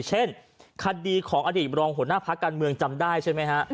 เช่นคดีของอดีตรองหัวหน้าพักการเมืองจำได้ใช่ไหมฮะ